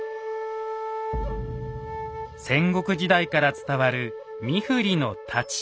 戦国時代から伝わる三振の太刀。